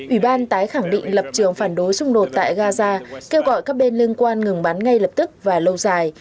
ủy ban tái khẳng định lập trường phản đối xung đột tại gaza kêu gọi các bên liên quan ngừng bắn ngay lập tức và lâu dài